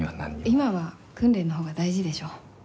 今は訓練のほうが大事でしょ。